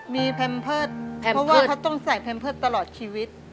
มีแพมเพิร์ตเพราะว่าเขาต้องใส่แพมเพิร์ตตลอดชีวิต